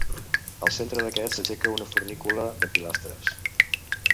Al centre d'aquest s'aixeca una fornícula de pilastres.